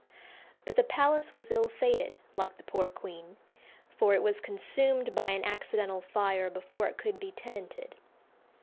But the palace was ill fated, like the poor queen, for it was consumed by an accidental fire before it could be tenanted.